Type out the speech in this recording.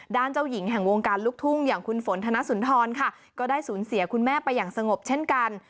เจ้าหญิงแห่งวงการลูกทุ่งอย่างคุณฝนธนสุนทรค่ะก็ได้สูญเสียคุณแม่ไปอย่างสงบเช่นกัน